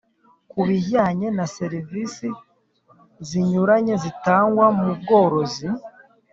Ku bijyanye na serivisi zinyuranye zitangwa mu bworozi